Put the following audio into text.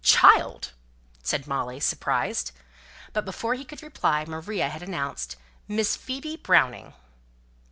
"Child!" said Molly, surprised. But before he could reply, Maria had announced, "Miss Phoebe Browning."